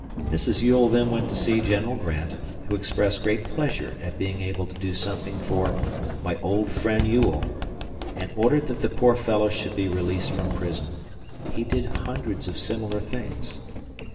Mrs. Ewell then went to see General Grant, who expressed great pleasure at being able to do something for "my old friend Ewell", and ordered that the poor fellow should be released from prison. He did hundreds of similar things.